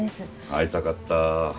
会いたかった。